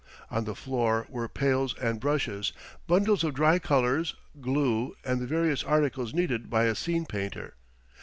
On the floor were pails and brushes, bundles of dry colors, glue, and the various articles needed by a scene painter.